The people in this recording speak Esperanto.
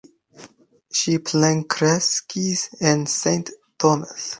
Ŝi plenkreskis en St. Thomas.